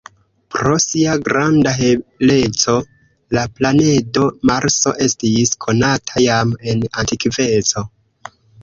Pro sia granda heleco la planedo Marso estis konata jam en antikveco.